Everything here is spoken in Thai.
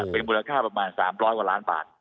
เป็นมูลค่าประมาณ๓๐๐กว่าล้านบาท